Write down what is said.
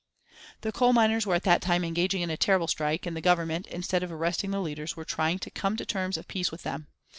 The coal miners were at that time engaging in a terrible strike, and the Government, instead of arresting the leaders, were trying to come to terms of peace with them.